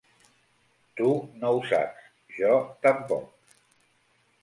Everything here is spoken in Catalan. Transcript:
Tu no ho saps; jo, tampoc.